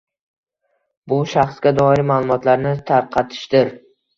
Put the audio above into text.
bu shaxsga doir ma’lumotlarni tarqatishdir.